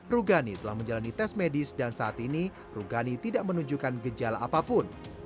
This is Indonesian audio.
rugani telah menjalani tes medis dan saat ini rugani tidak menunjukkan gejala apapun